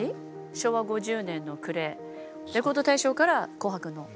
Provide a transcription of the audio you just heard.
昭和５０年の暮れレコード大賞から「紅白」の。